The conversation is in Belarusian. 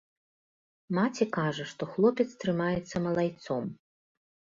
Маці кажа, што хлопец трымаецца малайцом.